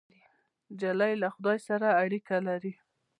نجلۍ له خدای سره اړیکه لري.